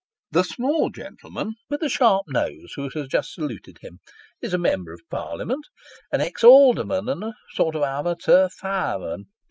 The small gentleman with the sharp nose, who has just saluted him, is a Member of Parliament, an ex Alderman, and a sort of amateur fireman.